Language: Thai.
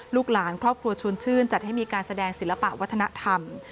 ลูกหลานครอบครัวชวนชื่นจัดให้มีการแสดงศิลปะวัฒนธรรม